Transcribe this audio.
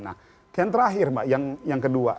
nah yang terakhir mbak yang kedua